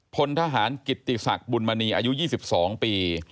พลทหารกิตติศักดิ์บุญมณีอายุ๒๒ปี